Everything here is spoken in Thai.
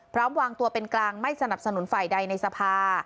พร้อมวางตัวเป็นกลางไม่สนับสนุนฝ่ายใดในสภา